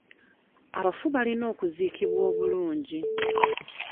Abafu balina okuziikibwa obulungi.